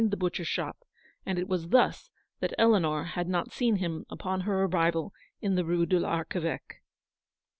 69 the butcher's shop, and it was thus that Eleanor had not seen him upon her arrival in the Rue de l'Archeveque.